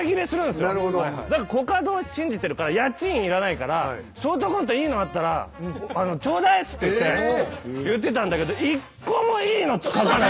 コカドを信じてるから家賃いらないからショートコントいいのあったらちょうだいっつって言ってたんだけど。